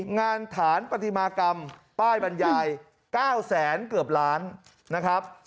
งานฐานปฏิมากรรมป้ายบรรยาย๙แสนเกือบล้านนะครับ